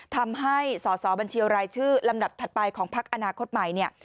ทำให้สอสอบัญชีรายชื่อลำดับถัดไปของพักอนาคตใหม่เนี่ย